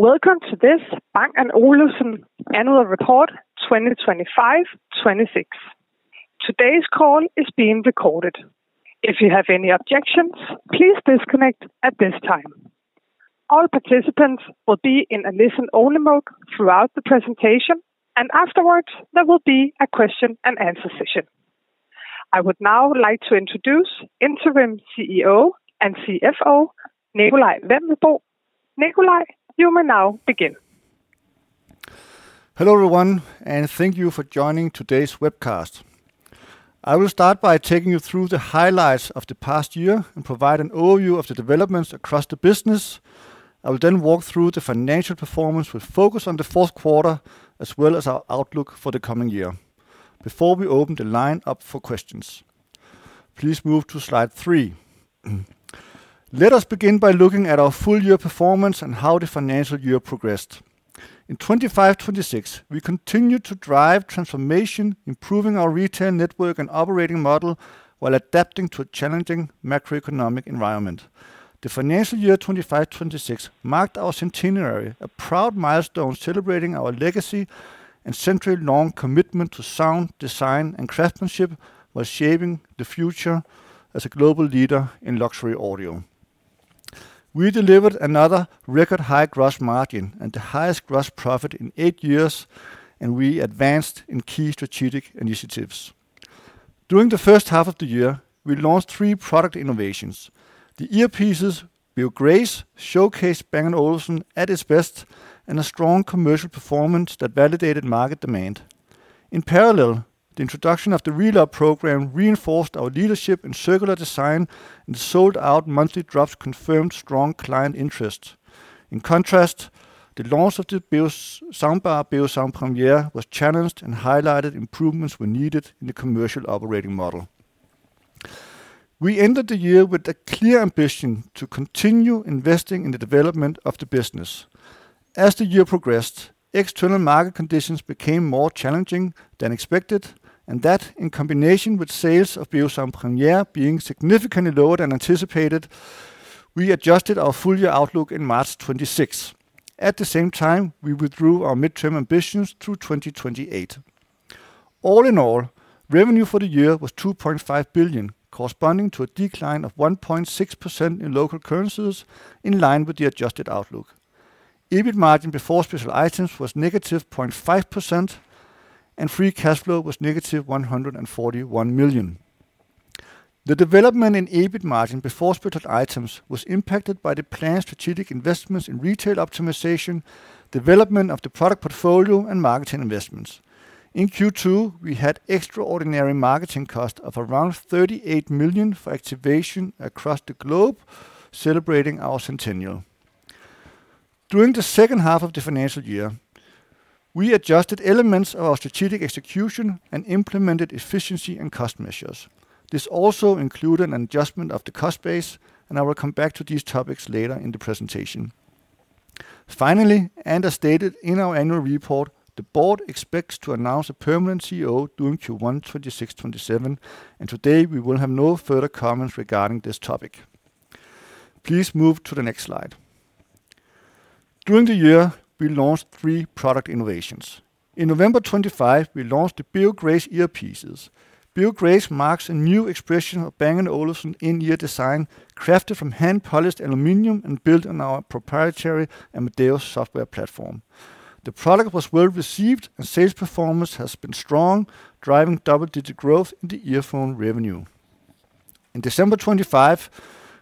Welcome to this Bang & Olufsen annual report 2025, 2026. Today's call is being recorded. If you have any objections, please disconnect at this time. All participants will be in a listen-only mode throughout the presentation, and afterwards, there will be a question and answer session. I would now like to introduce Interim CEO and CFO, Nikolaj Wendelboe. Nikolaj, you may now begin. Hello, everyone, thank you for joining today's webcast. I will start by taking you through the highlights of the past year and provide an overview of the developments across the business. I will then walk through the financial performance with focus on the fourth quarter, as well as our outlook for the coming year before we open the line up for questions. Please move to slide three. Let us begin by looking at our full year performance and how the financial year progressed. In 2025, 2026, we continued to drive transformation, improving our retail network and operating model, while adapting to a challenging macroeconomic environment. The financial year 2025, 2026 marked our centenary, a proud milestone celebrating our legacy and century-long commitment to sound design and craftsmanship while shaping the future as a global leader in luxury audio. We delivered another record high gross margin and the highest gross profit in eight years, and we advanced in key strategic initiatives. During the first half of the year, we launched three product innovations. The earpieces, Beo Grace, showcased Bang & Olufsen at its best and a strong commercial performance that validated market demand. In parallel, the introduction of the Reloved program reinforced our leadership in circular design, and the sold-out monthly drops confirmed strong client interest. In contrast, the launch of the soundbar Beosound Premiere was challenged and highlighted improvements were needed in the commercial operating model. We ended the year with a clear ambition to continue investing in the development of the business. As the year progressed, external market conditions became more challenging than expected, and that, in combination with sales of Beosound Premiere being significantly lower than anticipated, we adjusted our full-year outlook in March 2026. At the same time, we withdrew our midterm ambitions through 2028. All in all, revenue for the year was 2.5 billion, corresponding to a decline of 1.6% in local currencies, in line with the adjusted outlook. EBIT margin before special items was negative 0.5%, and free cash flow was negative 141 million. The development in EBIT margin before special items was impacted by the planned strategic investments in retail optimization, development of the product portfolio, and marketing investments. In Q2, we had extraordinary marketing cost of around 38 million for activation across the globe celebrating our centennial. During the second half of the financial year, we adjusted elements of our strategic execution and implemented efficiency and cost measures. This also included an adjustment of the cost base. I will come back to these topics later in the presentation. Finally, as stated in our annual report, the board expects to announce a permanent CEO during Q1 2026, 2027, and today we will have no further comments regarding this topic. Please move to the next slide. During the year, we launched three product innovations. In November 2025, we launched the Beo Grace earpieces. Beo Grace marks a new expression of Bang & Olufsen in-ear design, crafted from hand-polished aluminum and built on our proprietary Amadeus software platform. The product was well received, and sales performance has been strong, driving double-digit growth in the earphone revenue. In December 2025,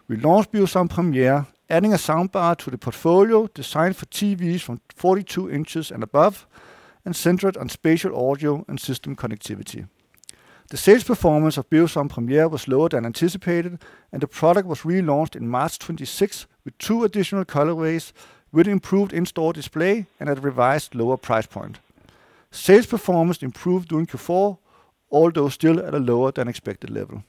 we launched Beosound Premiere, adding a soundbar to the portfolio designed for TVs from 42 inches and above and centered on spatial audio and system connectivity. The sales performance of Beosound Premiere was lower than anticipated, and the product was relaunched in March 2026 with two additional colorways, with improved in-store display and at a revised lower price point. Sales performance improved during Q4, although still at a lower than expected level.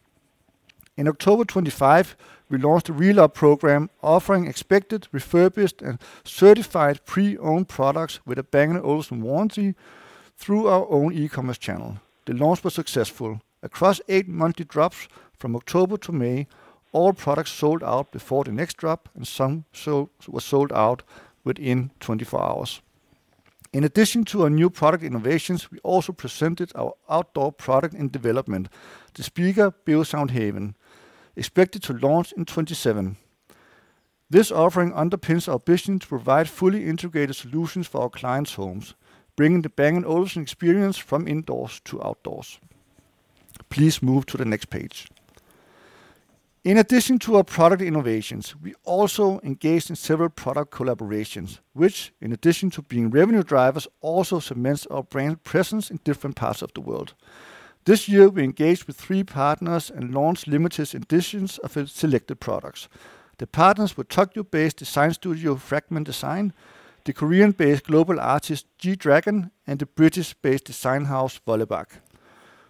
In October 2025, we launched a Reloved program offering expected refurbished and certified pre-owned products with a Bang & Olufsen warranty through our own e-commerce channel. The launch was successful. Across eight monthly drops from October to May, all products sold out before the next drop, and some were sold out within 24 hours. In addition to our new product innovations, we also presented our outdoor product in development, the speaker Beosound Haven, expected to launch in 2027. This offering underpins our vision to provide fully integrated solutions for our clients' homes, bringing the Bang & Olufsen experience from indoors to outdoors. Please move to the next page. In addition to our product innovations, we also engaged in several product collaborations, which, in addition to being revenue drivers, also cements our brand presence in different parts of the world. This year, we engaged with three partners and launched limited editions of selected products. The partners were Tokyo-based design studio Fragment Design, the Korean-based global artist G-Dragon, and the British-based design house, Vollebak.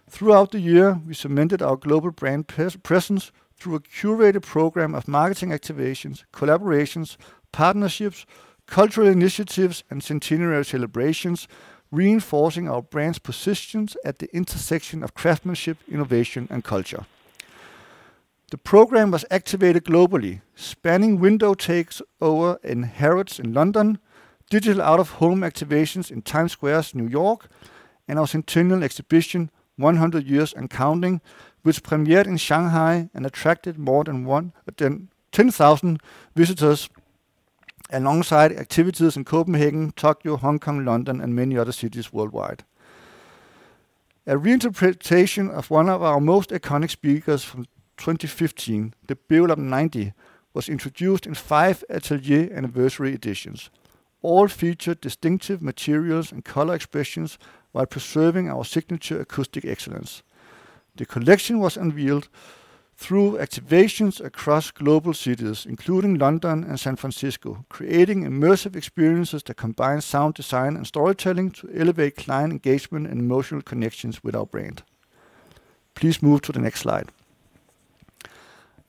Throughout the year, we cemented our global brand presence through a curated program of marketing activations, collaborations, partnerships, cultural initiatives, and centenary celebrations, reinforcing our brand's positions at the intersection of craftsmanship, innovation, and culture. The program was activated globally, spanning window takeovers in Harrods in London, digital out-of-home activations in Times Square, New York, and our centennial exhibition, 100 Years & Counting, which premiered in Shanghai and attracted more than 10,000 visitors, alongside activities in Copenhagen, Tokyo, Hong Kong, London, and many other cities worldwide. A reinterpretation of one of our most iconic speakers from 2015, the Beolab 90, was introduced in five Atelier anniversary editions. All featured distinctive materials and color expressions while preserving our signature acoustic excellence. The collection was unveiled through activations across global cities, including London and San Francisco, creating immersive experiences that combine sound design and storytelling to elevate client engagement and emotional connections with our brand. Please move to the next slide.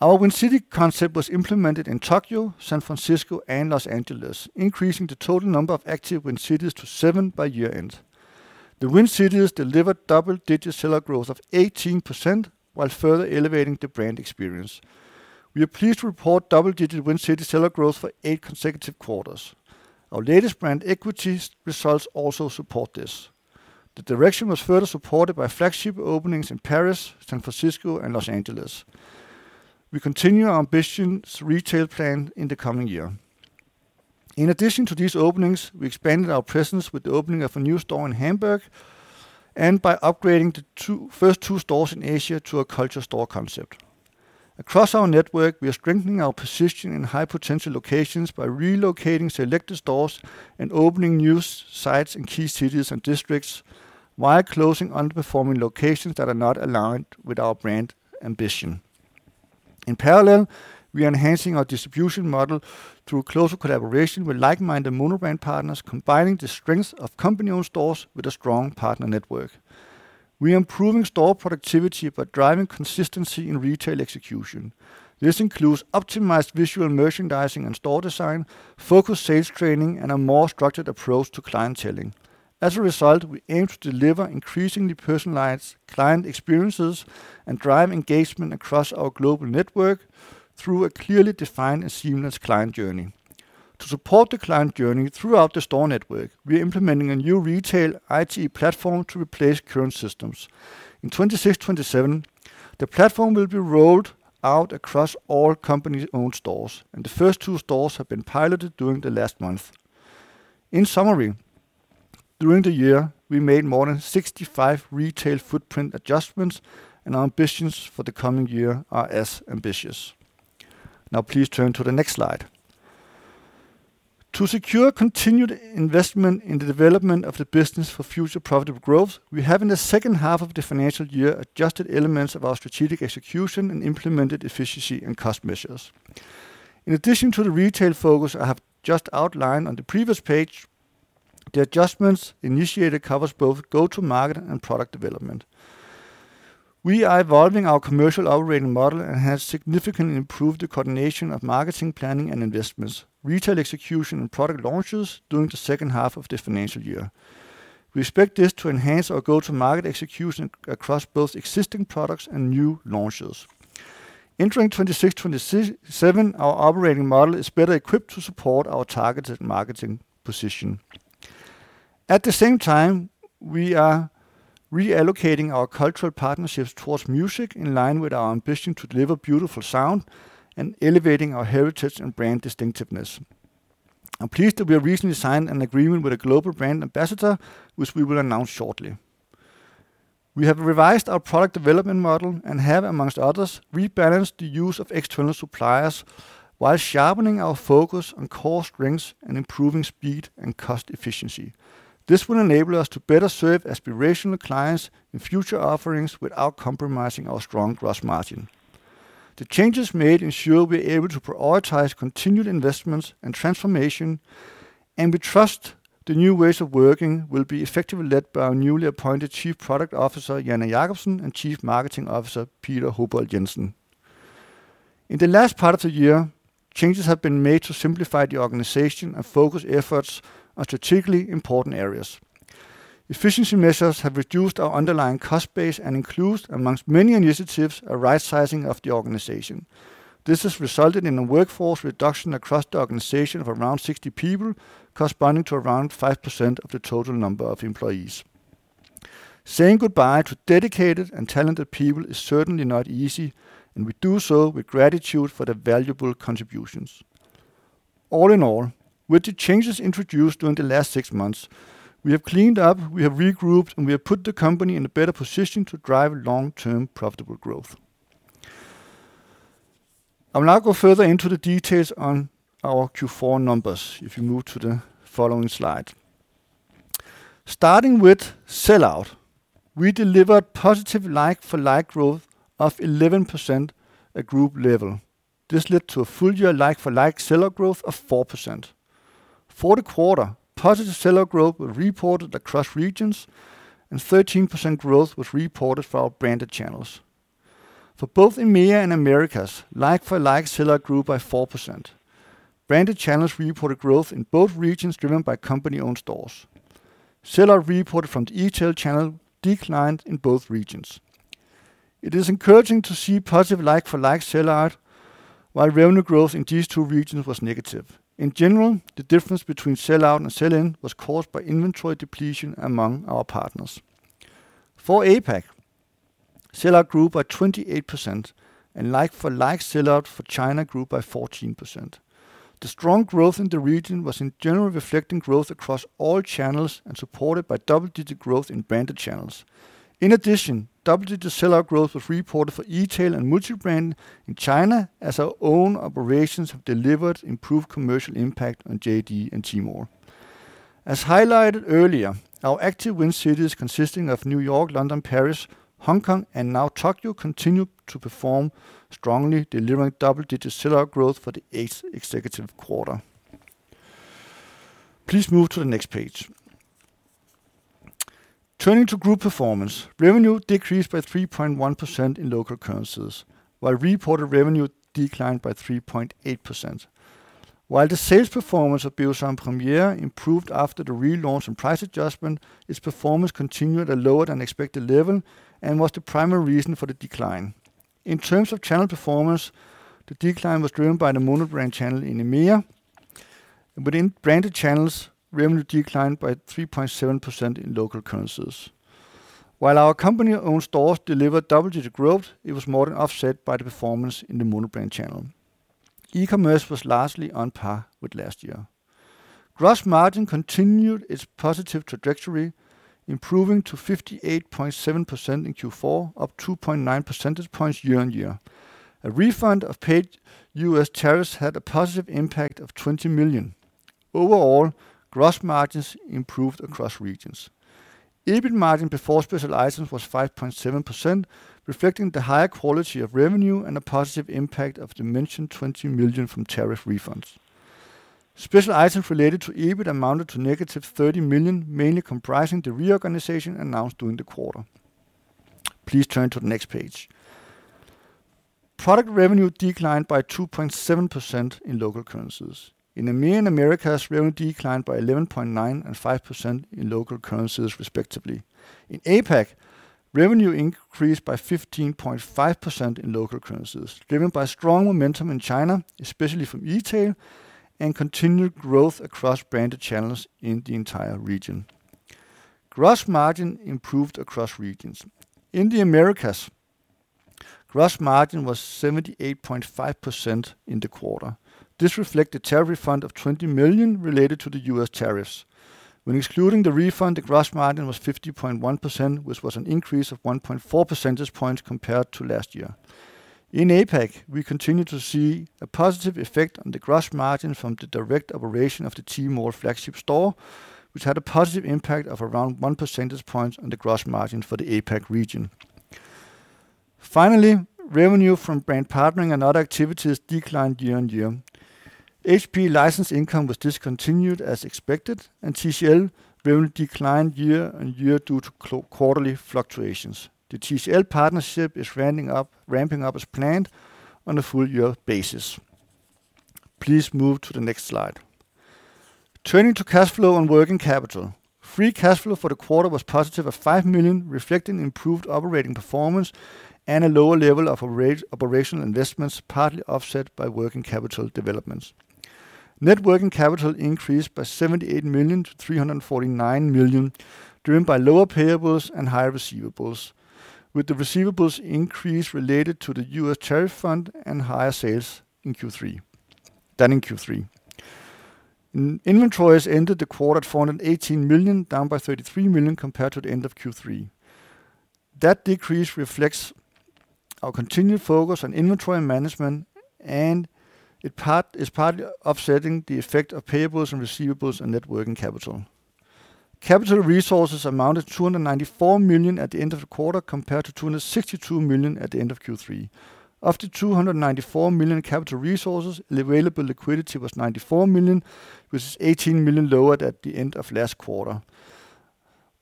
Our Win City concept was implemented in Tokyo, San Francisco, and Los Angeles, increasing the total number of active Win Cities to seven by year-end. The Win Cities delivered double-digit sell-out growth of 18% while further elevating the brand experience. We are pleased to report double-digit Win City sell-out growth for eight consecutive quarters. Our latest brand equity results also support this. The direction was further supported by flagship openings in Paris, San Francisco, and Los Angeles. We continue our ambitious retail plan in the coming year. In addition to these openings, we expanded our presence with the opening of a new store in Hamburg and by upgrading the first two stores in Asia to a culture store concept. Across our network, we are strengthening our position in high-potential locations by relocating selected stores and opening new sites in key cities and districts, while closing underperforming locations that are not aligned with our brand ambition. In parallel, we are enhancing our distribution model through closer collaboration with like-minded mono-brand partners, combining the strength of company-owned stores with a strong partner network. We are improving store productivity by driving consistency in retail execution. This includes optimized visual merchandising and store design, focused sales training, and a more structured approach to clienteling. As a result, we aim to deliver increasingly personalized client experiences and drive engagement across our global network through a clearly defined and seamless client journey. To support the client journey throughout the store network, we are implementing a new retail IT platform to replace current systems. In 2026/2027, the platform will be rolled out across all company-owned stores, and the first two stores have been piloted during the last month. In summary, during the year, we made more than 65 retail footprint adjustments, and our ambitions for the coming year are as ambitious. Now please turn to the next slide. To secure continued investment in the development of the business for future profitable growth, we have in the second half of the financial year adjusted elements of our strategic execution and implemented efficiency and cost measures. In addition to the retail focus I have just outlined on the previous page, the adjustments initiated covers both go-to-market and product development. We are evolving our commercial operating model and have significantly improved the coordination of marketing, planning, and investments, retail execution, and product launches during the second half of the financial year. We expect this to enhance our go-to-market execution across both existing products and new launches. Entering 2026/2027, our operating model is better equipped to support our targeted marketing position. At the same time, we are reallocating our cultural partnerships towards music, in line with our ambition to deliver beautiful sound and elevating our heritage and brand distinctiveness. I'm pleased that we have recently signed an agreement with a global brand ambassador, which we will announce shortly. We have revised our product development model and have, amongst others, rebalanced the use of external suppliers while sharpening our focus on core strengths and improving speed and cost efficiency. This will enable us to better serve aspirational clients in future offerings without compromising our strong gross margin. The changes made ensure we're able to prioritize continued investments and transformation, and we trust the new ways of working will be effectively led by our newly appointed Chief Product Officer, Janne Jakobsen, and Chief Marketing Officer, Peter Hobolt Jensen. In the last part of the year, changes have been made to simplify the organization and focus efforts on strategically important areas. Efficiency measures have reduced our underlying cost base and include, amongst many initiatives, a right-sizing of the organization. This has resulted in a workforce reduction across the organization of around 60 people, corresponding to around 5% of the total number of employees. Saying goodbye to dedicated and talented people is certainly not easy, and we do so with gratitude for their valuable contributions. All in all, with the changes introduced during the last six months, we have cleaned up, we have regrouped, and we have put the company in a better position to drive long-term profitable growth. I will now go further into the details on our Q4 numbers. If you move to the following slide. Starting with sell-out, we delivered positive like-for-like growth of 11% at group level. This led to a full-year like-for-like sell-out growth of 4%. For the quarter, positive sell-out growth was reported across regions, and 13% growth was reported for our branded channels. For both EMEA and Americas, like-for-like sell-out grew by 4%. Branded channels reported growth in both regions driven by company-owned stores. Sell-out reported from the e-tail channel declined in both regions. It is encouraging to see positive like-for-like sell-out, while revenue growth in these two regions was negative. In general, the difference between sell-out and sell-in was caused by inventory depletion among our partners. For APAC, sell-out grew by 28%, and like-for-like sell-out for China grew by 14%. In addition, double-digit sell-out growth was reported for e-tail and multi-brand in China, as our own operations have delivered improved commercial impact on JD and Tmall. As highlighted earlier, our active Win Cities consisting of New York, London, Paris, Hong Kong and now Tokyo, continue to perform strongly, delivering double-digit sell-out growth for the eighth executive quarter. Please move to the next page. Turning to group performance, revenue decreased by 3.1% in local currencies, while reported revenue declined by 3.8%. While the sales performance of Beosound Premiere improved after the relaunch and price adjustment, its performance continued at a lower-than-expected level and was the primary reason for the decline. In terms of channel performance, the decline was driven by the mono-brand channel in EMEA. Within branded channels, revenue declined by 3.7% in local currencies. While our company-owned stores delivered double-digit growth, it was more than offset by the performance in the mono-brand channel. E-commerce was largely on par with last year. Gross margin continued its positive trajectory, improving to 58.7% in Q4, up 2.9 percentage points year-on-year. A refund of paid U.S. tariffs had a positive impact of 20 million. Overall, gross margins improved across regions. EBIT margin before special items was 5.7%, reflecting the higher quality of revenue and a positive impact of the mentioned 20 million from tariff refunds. Special items related to EBIT amounted to negative 30 million, mainly comprising the reorganization announced during the quarter. Please turn to the next page. Product revenue declined by 2.7% in local currencies. In EMEA and Americas, revenue declined by 11.9% and 5% in local currencies, respectively. In APAC, revenue increased by 15.5% in local currencies, driven by strong momentum in China, especially from e-tail, and continued growth across branded channels in the entire region. Gross margin improved across regions. In the Americas, gross margin was 78.5% in the quarter. This reflects the tariff refund of 20 million related to the U.S. tariffs. When excluding the refund, the gross margin was 50.1%, which was an increase of 1.4 percentage points compared to last year. In APAC, we continue to see a positive effect on the gross margin from the direct operation of the Tmall flagship store, which had a positive impact of around one percentage point on the gross margin for the APAC region. Finally, revenue from brand partnering and other activities declined year-on-year. HP license income was discontinued as expected, and TCL revenue declined year-on-year due to quarterly fluctuations. The TCL partnership is ramping up as planned on a full-year basis. Please move to the next slide. Turning to cash flow and working capital. Free cash flow for the quarter was positive at 5 million, reflecting improved operating performance and a lower level of operational investments, partly offset by working capital developments. Net working capital increased by 78 million to 349 million, driven by lower payables and higher receivables, with the receivables increase related to the U.S. tariff refund and higher sales than in Q3. Inventories ended the quarter at 418 million, down by 33 million compared to the end of Q3. That decrease reflects our continued focus on inventory management, and it's partly offsetting the effect of payables and receivables on net working capital. Capital resources amounted 294 million at the end of the quarter, compared to 262 million at the end of Q3. Of the 294 million capital resources, available liquidity was 94 million, which is 18 million lower than at the end of last quarter.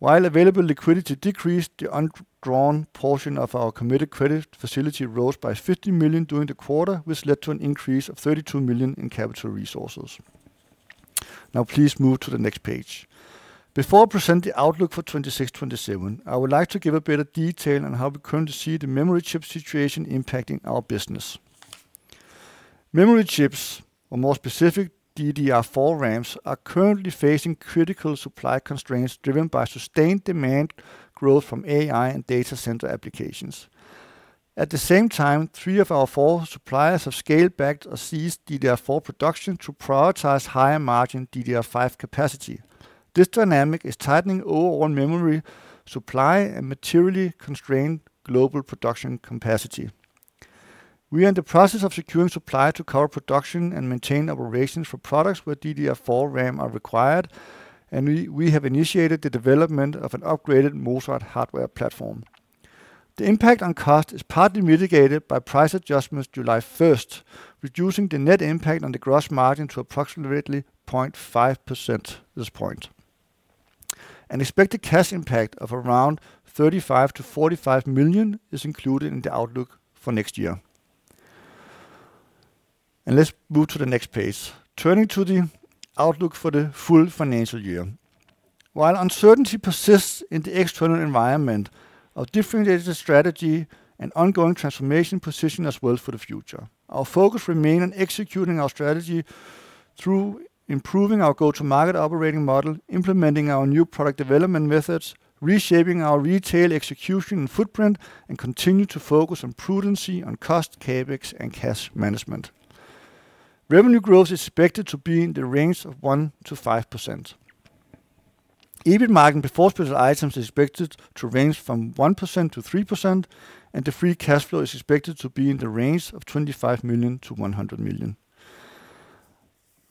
While available liquidity decreased, the undrawn portion of our committed credit facility rose by 50 million during the quarter, which led to an increase of 32 million in capital resources. Now, please move to the next page. Before I present the outlook for 2026/2027, I would like to give a bit of detail on how we currently see the memory chip situation impacting our business. Memory chips, or more specific, DDR4 RAMs, are currently facing critical supply constraints driven by sustained demand growth from AI and data center applications. At the same time, three of our four suppliers have scaled back or ceased DDR4 production to prioritize higher-margin DDR5 capacity. This dynamic is tightening overall memory supply and materially constrain global production capacity. We are in the process of securing supply to cover production and maintain operations for products where DDR4 RAM are required, and we have initiated the development of an upgraded Mozart hardware platform. The impact on cost is partly mitigated by price adjustments July 1st, reducing the net impact on the gross margin to approximately 0.5% at this point. An expected cash impact of around 35 million-45 million is included in the outlook for next year. Let's move to the next page. Turning to the outlook for the full financial year. While uncertainty persists in the external environment, our differentiated strategy and ongoing transformation position us well for the future. Our focus remain on executing our strategy through improving our go-to-market operating model, implementing our new product development methods, reshaping our retail execution and footprint, and continuing to focus on prudency on cost, CapEx, and cash management. Revenue growth is expected to be in the range of 1%-5%. EBIT margin before special items is expected to range from 1%-3%, and the free cash flow is expected to be in the range of 25 million-100 million.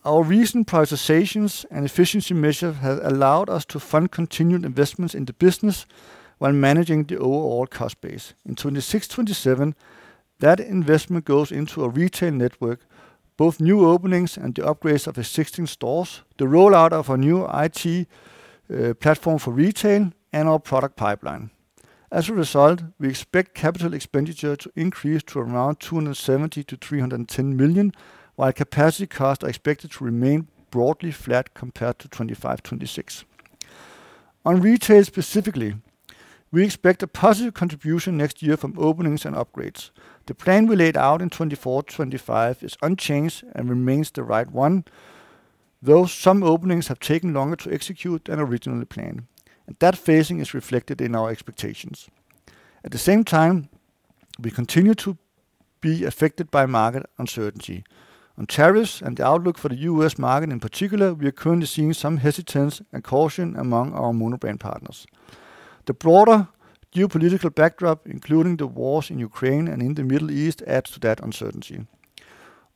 Our recent prioritizations and efficiency measures have allowed us to fund continued investments in the business while managing the overall cost base. In 2026/2027, that investment goes into our retail network, both new openings and the upgrades of existing stores, the rollout of our new IT platform for retail, and our product pipeline. As a result, we expect capital expenditure to increase to around 270 million-310 million, while capacity costs are expected to remain broadly flat compared to 2025/2026. On retail specifically, we expect a positive contribution next year from openings and upgrades. The plan we laid out in 2024/2025 is unchanged and remains the right one, though some openings have taken longer to execute than originally planned, and that phasing is reflected in our expectations. At the same time, we continue to be affected by market uncertainty. On tariffs and the outlook for the U.S. market in particular, we are currently seeing some hesitance and caution among our monobrand partners. The broader geopolitical backdrop, including the wars in Ukraine and in the Middle East, adds to that uncertainty.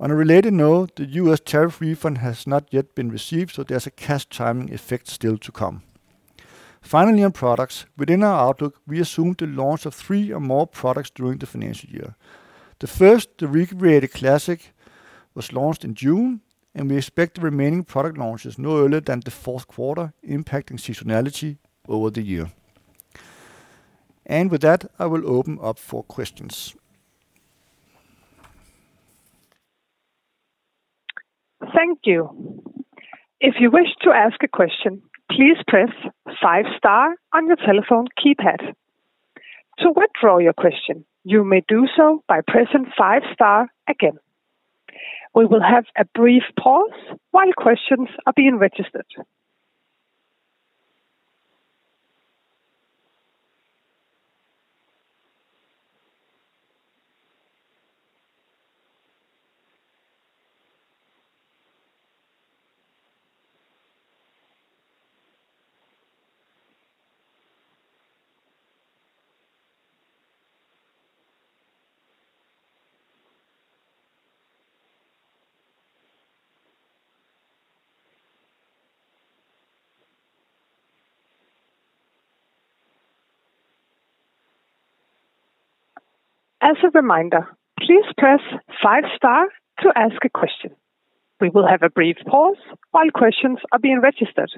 On a related note, the U.S. tariff refund has not yet been received, so there's a cash timing effect still to come. Finally, on products. Within our outlook, we assumed the launch of three or more products during the financial year. The first, the Recreated Classics, was launched in June, and we expect the remaining product launches no earlier than the fourth quarter, impacting seasonality over the year. With that, I will open up for questions. Thank you. If you wish to ask a question, please press a five-star on your telephone keypad. To withdraw your question, you may do so by pressing five-star again. We will have a brief pause while questions are being registered. As a reminder, please press five-star to ask a question. We will have a brief pause while questions are being registered.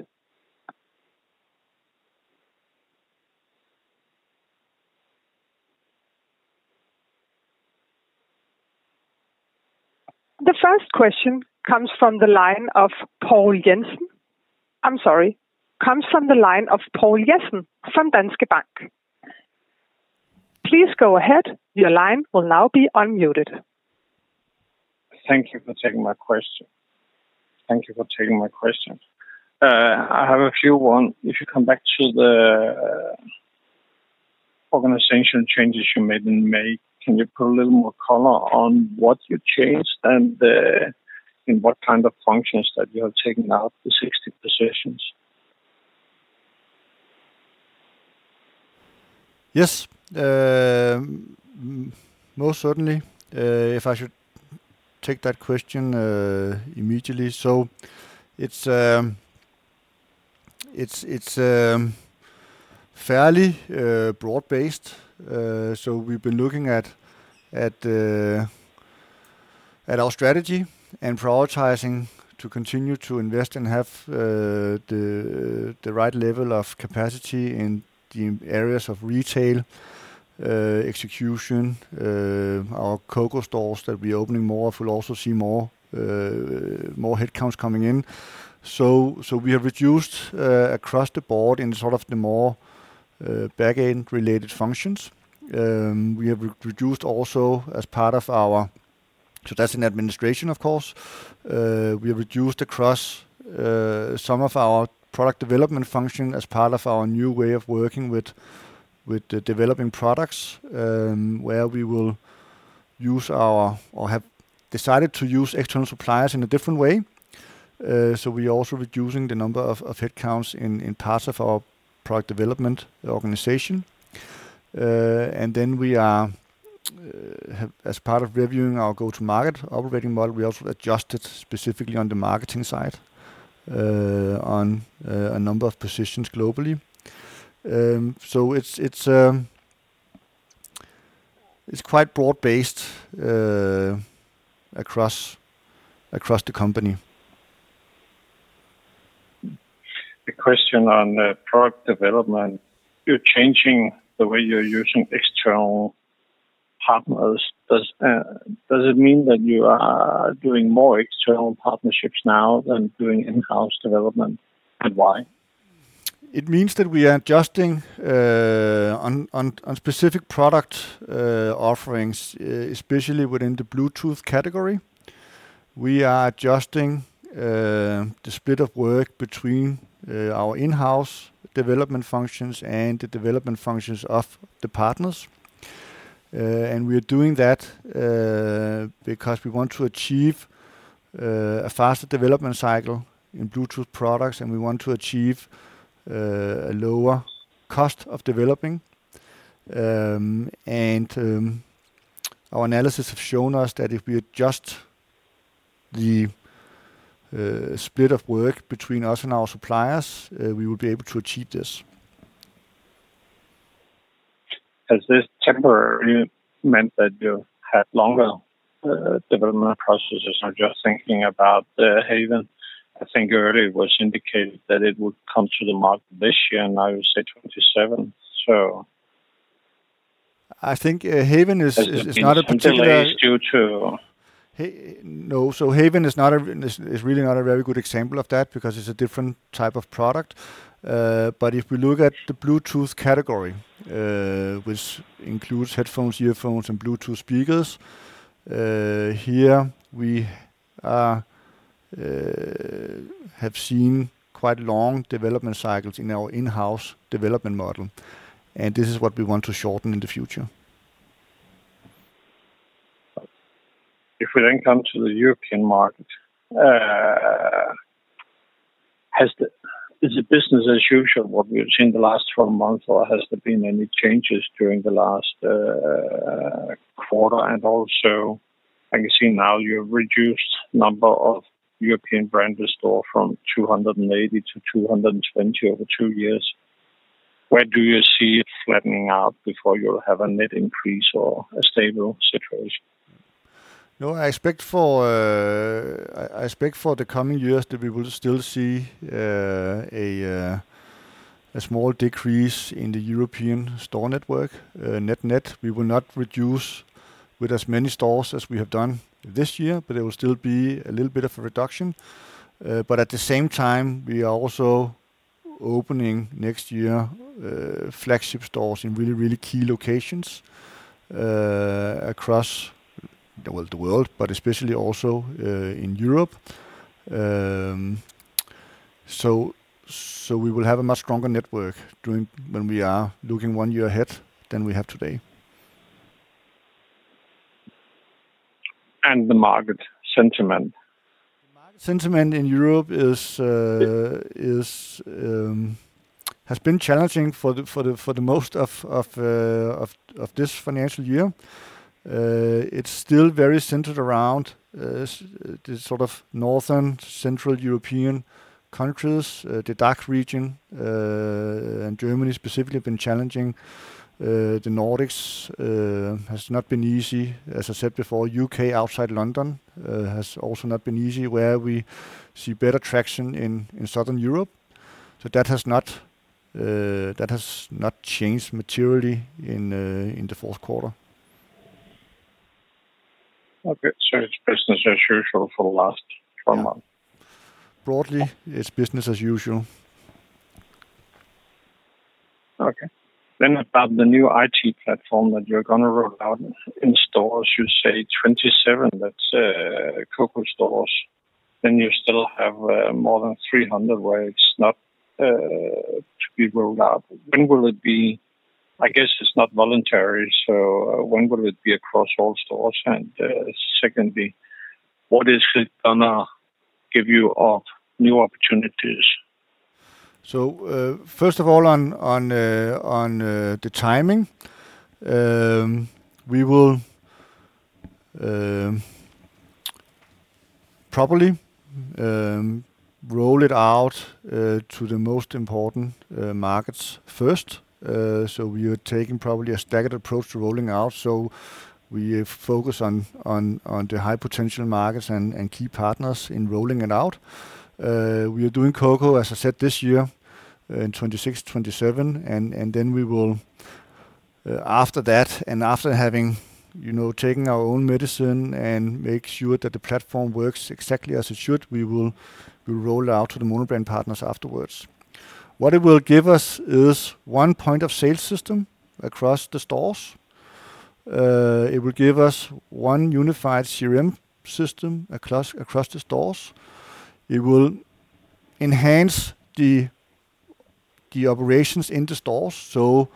The first question comes from the line of Poul Jessen. I'm sorry, comes from the line of Poul Jessen from Danske Bank. Please go ahead. Your line will now be unmuted. Thank you for taking my question. I have a few ones. If you come back to the organizational changes you made in May, can you put a little more color on what you changed, and in what kind of functions that you have taken out the 60 positions? Yes. Most certainly. If I should take that question immediately. It's fairly broad-based. We've been looking at our strategy and prioritizing to continue to invest and have the right level of capacity in the areas of retail execution, our COCO stores that we're opening more, we'll also see more headcounts coming in. We have reduced across the board in sort of the more back-end related functions. We have reduced also as part of our. That's in administration, of course. We have reduced across some of our product development function as part of our new way of working with the developing products, where we will use our, or have decided to use external suppliers in a different way. We are also reducing the number of headcounts in parts of our product development organization. We are, as part of reviewing our go-to-market operating model, we also adjusted specifically on the marketing side on a number of positions globally. It's quite broad-based across the company. A question on product development. You're changing the way you're using external partners. Does it mean that you are doing more external partnerships now than doing in-house development? Why? It means that we are adjusting on specific product offerings, especially within the Bluetooth category. We are adjusting the split of work between our in-house development functions and the development functions of the partners. We are doing that because we want to achieve a faster development cycle in Bluetooth products, and we want to achieve a lower cost of developing. Our analysis have shown us that if we adjust the split of work between us and our suppliers, we will be able to achieve this. Has this temporarily meant that you have longer development processes? I'm just thinking about the Haven. I think earlier it was indicated that it would come to the market this year, now you say 2027. I think Haven is not a particular. Has it been delayed due to No. Haven is really not a very good example of that because it's a different type of product. If we look at the Bluetooth category, which includes headphones, earphones, and Bluetooth speakers, here we have seen quite long development cycles in our in-house development model, and this is what we want to shorten in the future. Is it business as usual what we have seen the last 12 months, or has there been any changes during the last quarter? I can see now you have reduced number of European branded store from 280 to 220 over two years. Where do you see it flattening out before you'll have a net increase or a stable situation? I expect for the coming years that we will still see a small decrease in the European store network. Net, we will not reduce with as many stores as we have done this year, but it will still be a little bit of a reduction. At the same time, we are also opening next year flagship stores in really key locations across, well, the world, but especially also in Europe. We will have a much stronger network when we are looking one year ahead than we have today. The market sentiment? The market sentiment in Europe has been challenging for the most of this financial year. It's still very centered around the sort of Northern, Central European countries. The DACH region, and Germany specifically, have been challenging. The Nordics has not been easy. As I said before, U.K. outside London has also not been easy, where we see better traction in Southern Europe. That has not changed materially in the fourth quarter. Okay. It's business as usual for the last 12 months. Broadly, it's business as usual. Okay. About the new IT platform that you're going to roll out in stores. You say 27, that's COCO stores. You still have more than 300 where it's not to be rolled out. I guess it's not voluntary, when will it be across all stores? Secondly, what is it going to give you of new opportunities? First of all, on the timing, we will probably roll it out to the most important markets first. We are taking probably a staggered approach to rolling out. We focus on the high potential markets and key partners in rolling it out. We are doing COCO, as I said, this year in 2026/2027, and then we will after that and after having taken our own medicine and make sure that the platform works exactly as it should, we will roll out to the monobrand partners afterwards. What it will give us is one point of sale system across the stores. It will give us one unified CRM system across the stores. It will enhance the operations in the stores, so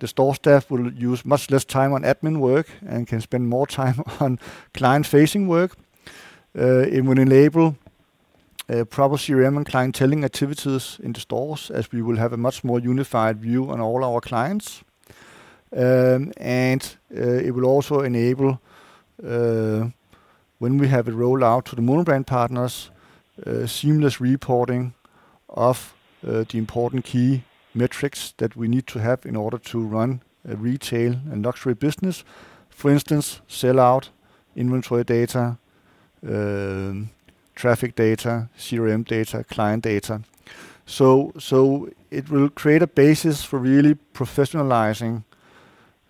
the store staff will use much less time on admin work and can spend more time on client-facing work. It will enable proper CRM and clienteling activities in the stores, as we will have a much more unified view on all our clients. It will also enable, when we have it rolled out to the monobrand partners, seamless reporting of the important key metrics that we need to have in order to run a retail and luxury business. For instance, sell-out, inventory data, traffic data, CRM data, client data. It will create a basis for really professionalizing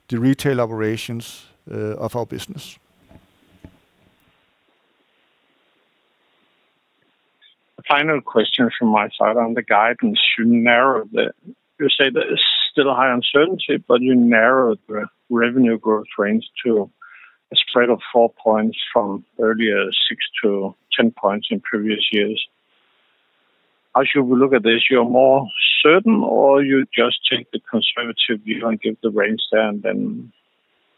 the retail operations of our business. A final question from my side on the guidance. You say there is still a high uncertainty, but you narrowed the revenue growth range to a spread of four points from earlier 6-10 points in previous years. How should we look at this? You're more certain, or you just take the conservative view and give the range there and then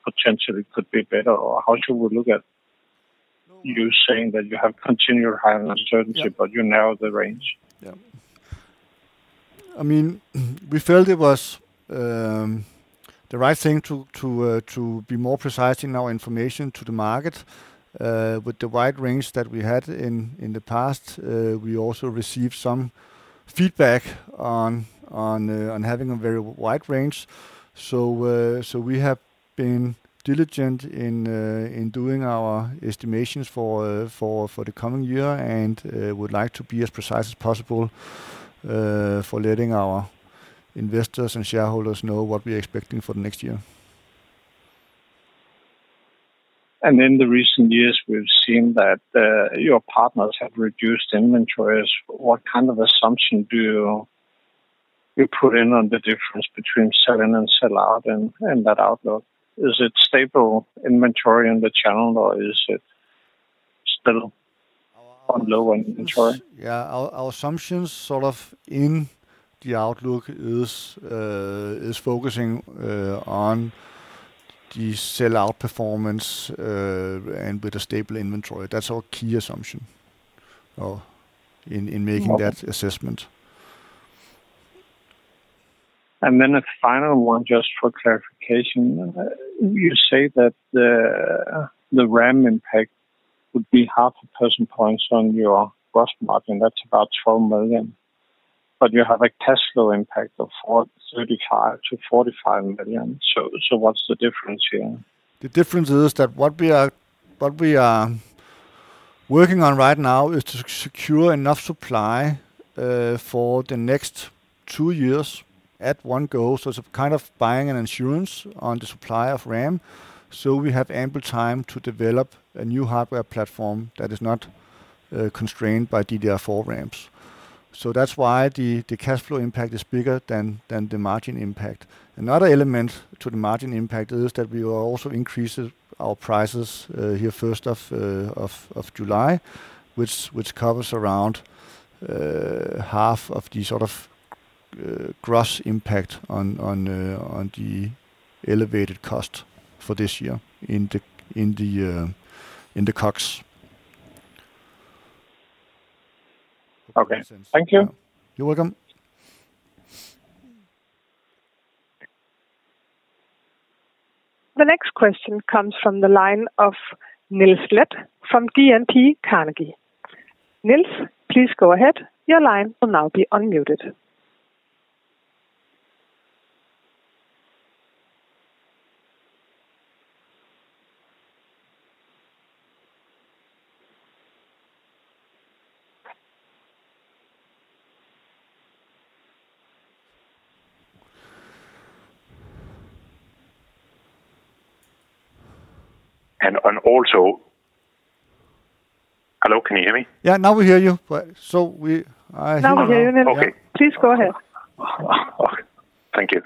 potentially could be better? Or how should we look at you saying that you have continued high uncertainty, but you narrow the range? Yeah. We felt it was the right thing to be more precise in our information to the market. With the wide range that we had in the past, we also received some feedback on having a very wide range. We have been diligent in doing our estimations for the coming year and would like to be as precise as possible for letting our investors and shareholders know what we're expecting for the next year. In the recent years, we've seen that your partners have reduced inventories. What kind of assumption do you put in on the difference between sell-in and sell-out in that outlook? Is it stable inventory in the channel, or is it still on low inventory? Yeah. Our assumptions sort of in the outlook is focusing on the sell-out performance, and with a stable inventory. That's our key assumption in making that assessment. A final one just for clarification. You say that the RAM impact would be half a percentage point on your gross margin. That's about 12 million. You have a cash flow impact of 35 million-45 million. What's the difference here? The difference is that what we are working on right now is to secure enough supply for the next two years at one go. It's a kind of buying an insurance on the supply of RAM. We have ample time to develop a new hardware platform that is not constrained by DDR4 RAMs. That's why the cashflow impact is bigger than the margin impact. Another element to the margin impact is that we will also increase our prices here first of July, which covers around half of the sort of gross impact on the elevated cost for this year in the COGS. Okay. Thank you. You're welcome. The next question comes from the line of Niels Leth from DNB Carnegie. Niels, please go ahead. Your line will now be unmuted. Hello, can you hear me? Yeah, now we hear you. Now we hear you, Niels. Okay. Please go ahead. Okay. Thank you.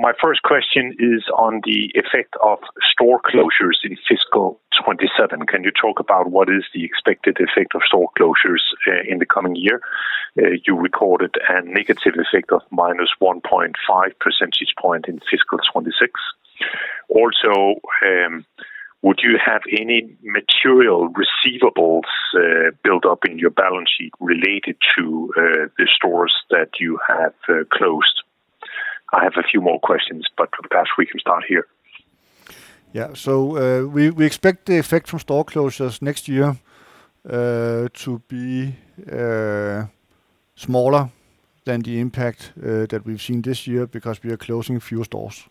My first question is on the effect of store closures in fiscal 2027. Can you talk about what is the expected effect of store closures in the coming year? You recorded a negative effect of -1.5 percentage point in fiscal 2026. Also, would you have any material receivables build up in your balance sheet related to the stores that you have closed? I have a few more questions, perhaps we can start here. We expect the effect from store closures next year to be smaller than the impact that we've seen this year because we are closing fewer stores.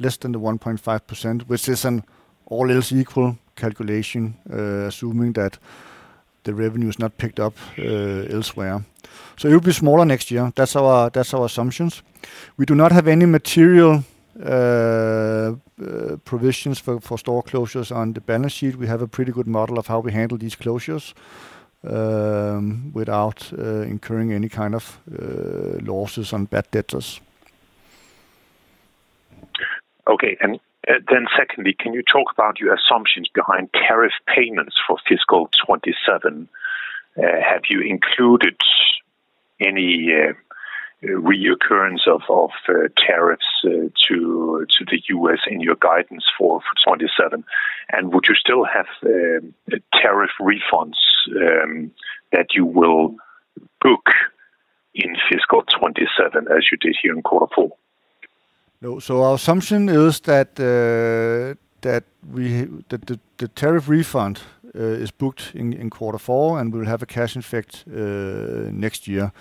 Less than the 1.5%, which is an all else equal calculation, assuming that the revenue is not picked up elsewhere. It will be smaller next year. That's our assumptions. We do not have any material provisions for store closures on the balance sheet. We have a pretty good model of how we handle these closures without incurring any kind of losses on bad debtor. Secondly, can you talk about your assumptions behind tariff payments for fiscal 2027? Have you included any reoccurrence of tariffs to the U.S. in your guidance for 2027? Would you still have tariff refunds that you will book in fiscal 2027 as you did here in quarter four? Our assumption is that the tariff refund is booked in quarter four and will have a cash effect next year.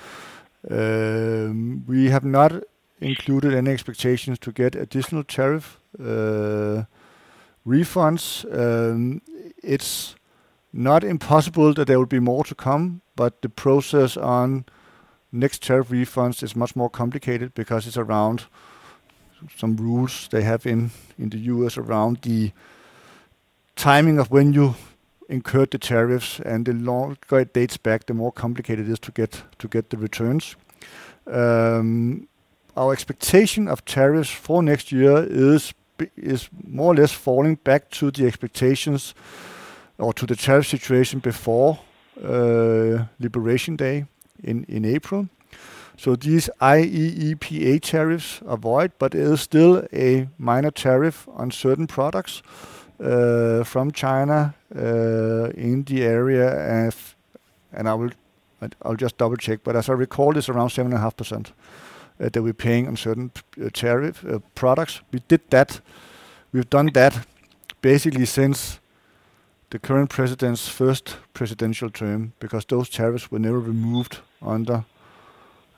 We have not included any expectations to get additional tariff refunds. It's not impossible that there will be more to come, but the process on next tariff refunds is much more complicated because it's around some rules they have in the U.S. around the timing of when you incur the tariffs, and the longer it dates back, the more complicated it is to get the returns. Our expectation of tariffs for next year is more or less falling back to the expectations or to the tariff situation before Liberation Day in April. These IEEPA tariffs avoid, but it is still a minor tariff on certain products from China in the area of, and I'll just double-check, but as I recall, it's around 7.5% that we're paying on certain tariff products. We've done that basically since the current president's first presidential term because those tariffs were never removed under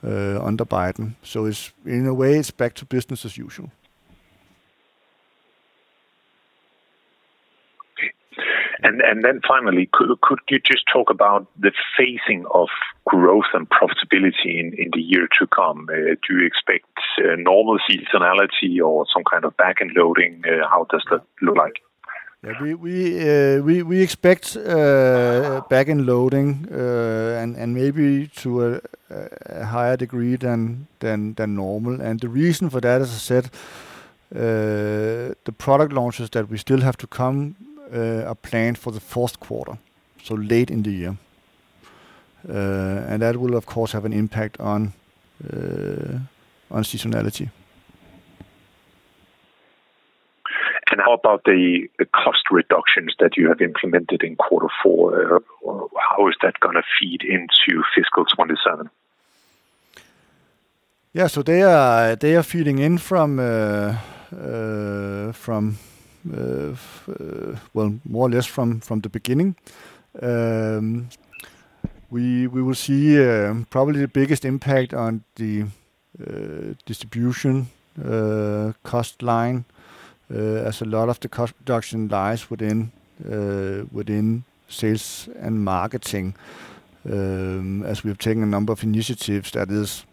Biden. In a way, it's back to business as usual. Okay. Finally, could you just talk about the phasing of growth and profitability in the year to come? Do you expect normal seasonality or some kind of back-end loading? How does that look like? We expect back-end loading and maybe to a higher degree than normal. The reason for that, as I said, the product launches that we still have to come are planned for the fourth quarter, so late in the year. That will, of course, have an impact on seasonality. How about the cost reductions that you have implemented in quarter four? How is that going to feed into fiscal 2027? Yeah. They are feeding in, well, more or less from the beginning. We will see probably the biggest impact on the distribution cost line, as a lot of the cost reduction lies within sales and marketing, as we have taken a number of initiatives that is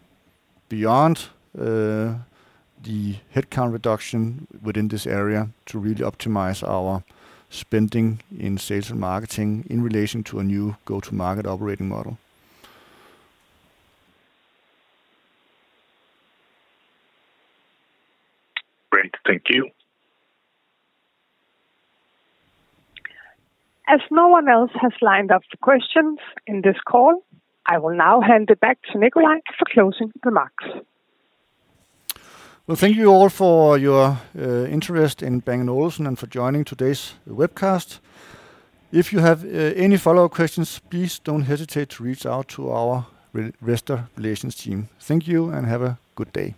beyond the headcount reduction within this area to really optimize our spending in sales and marketing in relation to a new go-to-market operating model. Great. Thank you. As no one else has lined up the questions in this call, I will now hand it back to Nikolaj for closing remarks. Well, thank you all for your interest in Bang & Olufsen and for joining today's webcast. If you have any follow-up questions, please don't hesitate to reach out to our investor relations team. Thank you and have a good day.